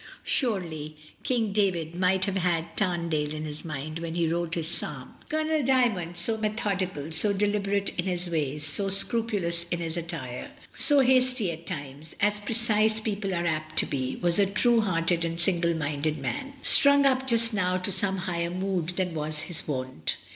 Surely King David might have had Tamdale in his mind when he wrote his psalm. Colonel Dymond, so methodical, so deliberate in his ways, so scrupulous in his attire, so hasty at times, as precise people are apt to be, was a true hearted and single minded man, strung up just now to some higher mood than was his wont.